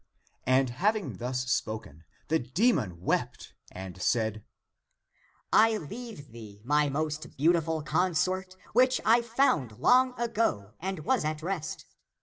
And having thus spoken, the demon wept and said, " I leave thee, my most beautiful consort, which I found long ago and was at rest.